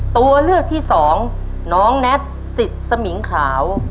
ตัวเลือกที่สองน้องแน็ตสิทธิ์สมิงขาว